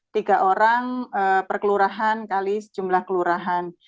tiga orang per kelurahan kali jumlah kelurahan